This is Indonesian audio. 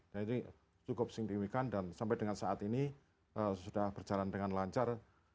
jadi cukup singkirkan dan sampai dengan saat ini sudah berjalan dengan lancar